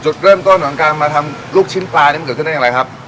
จุดเริ่มต้นของการมาทำลูกชิ้นปลานี่มันเกิดขึ้นได้อย่างไรครับ